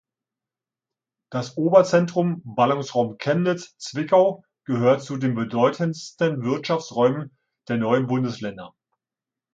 Das Oberzentrum "Ballungsraum Chemnitz-Zwickau" gehört zu den bedeutendsten Wirtschaftsräumen der neuen Bundesländer.